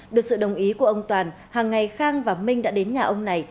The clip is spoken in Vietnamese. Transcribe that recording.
được sự đồng ý của ông toàn hàng ngày khang và minh đã đến nhà ông này